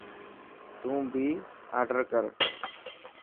تون بي آڊر ڪر.